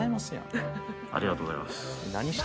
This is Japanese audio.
ありがとうございます。